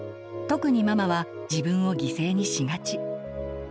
特にママは自分を犠牲にしがち。